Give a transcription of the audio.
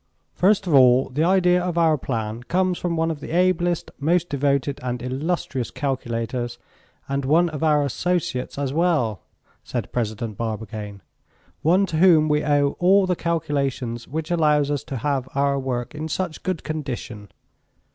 "First of all, the idea of our plan comes from one of the ablest, most devoted and illustrious calculators and one of our associates as well," said President Barbicane. "One to whom we owe all the calculations which allows us to have our work in such good condition.